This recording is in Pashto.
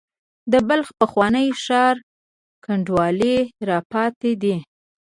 د بلخ د پخواني ښار کنډوالې را پاتې دي.